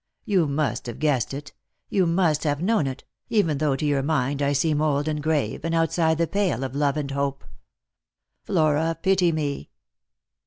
You must have guessed it — you must have known it — even though to your mind I seem old and grave, and outside the pale of love and hope. Flora, pity me